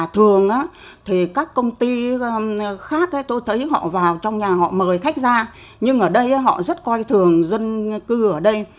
thường thì các công ty khác tôi thấy họ vào trong nhà họ mời khách ra nhưng ở đây họ rất coi thường dân cư ở đây